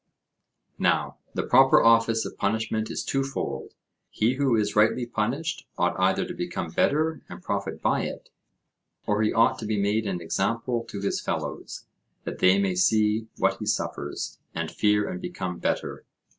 Now the proper office of punishment is twofold: he who is rightly punished ought either to become better and profit by it, or he ought to be made an example to his fellows, that they may see what he suffers, and fear and become better.